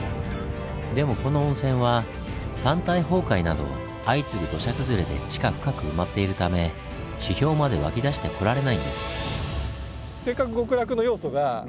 でもこの温泉は山体崩壊など相次ぐ土砂崩れで地下深く埋まっているため地表まで湧き出してこられないんです。